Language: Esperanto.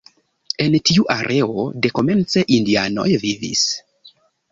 En tiu areo dekomence indianoj vivis.